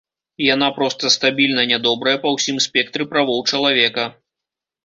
Яна проста стабільна нядобрая па ўсім спектры правоў чалавека.